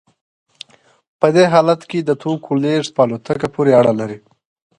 په دې حالت کې د توکو لیږد په الوتکه پورې اړه لري